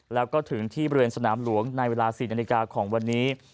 แล้วก็ถึงที่บริเวณสนามหลวงในเวลา๔นาฬิกาของวันนี้